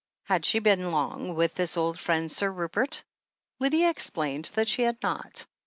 Had she been long with his old friend Sir Rupert ? Lydia explained that she had not.